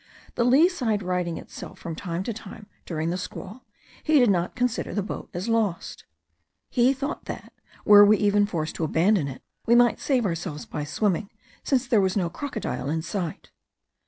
The lee side righting itself from time to time during the squall, he did not consider the boat as lost. He thought that, were we even forced to abandon it, we might save ourselves by swimming, since there was no crocodile in sight.